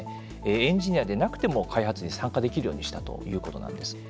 エンジニアでなくても開発に参加できるようにしたということなんです。